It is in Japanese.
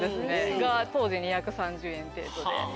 当時２３０円程度で。